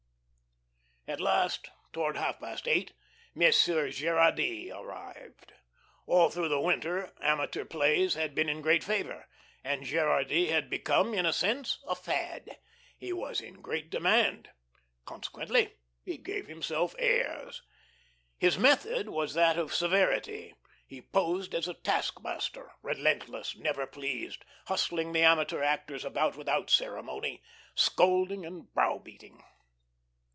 At last, towards half past eight, Monsieur Gerardy arrived. All through the winter amateur plays had been in great favor, and Gerardy had become, in a sense, a fad. He was in great demand. Consequently, he gave himself airs. His method was that of severity; he posed as a task master, relentless, never pleased, hustling the amateur actors about without ceremony, scolding and brow beating.